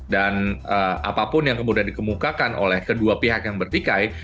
dan apapun yang kemudian dikemukakan oleh kedua pihak yang bertikai